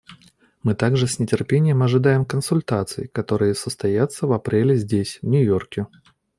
Мы также с нетерпением ожидаем консультаций, которые состоятся в апреле здесь, в Нью-Йорке.